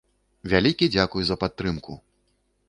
Вялікі дзякуй за падтрымку!